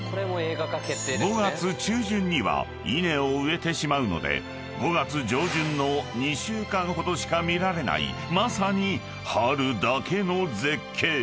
［５月中旬には稲を植えてしまうので５月上旬の２週間ほどしか見られないまさに春だけの絶景］